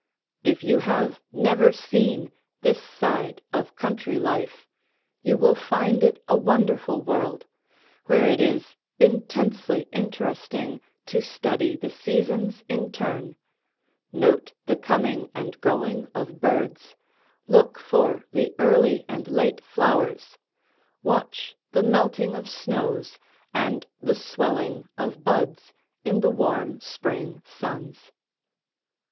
If you have never seen this side of country life, you will find it a wonderful world, where it is intensely interesting to study the seasons in turn, note the coming and going of birds, look for the early and late flowers, watch the melting of snows and the swelling of buds in the warm spring suns.